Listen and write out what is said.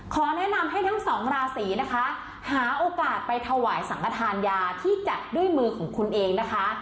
ขอแนะนำให้ทั้งสองราศีนะคะหาโอกาสไปถวายสังขทานยาที่จัดด้วยมือของคุณเองนะคะ